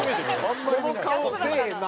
この顔せえへんな。